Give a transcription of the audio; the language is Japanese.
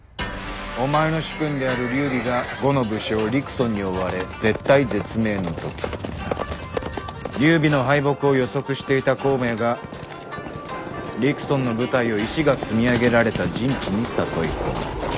お前の主君である劉備が呉の武将陸遜に追われ絶体絶命のとき劉備の敗北を予測していた孔明が陸遜の部隊を石が積み上げられた陣地に誘い込み。